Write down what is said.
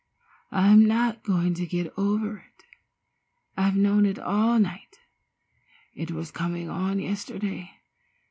"I'm not going to get over it. I've known it all night. It was coming on yesterday.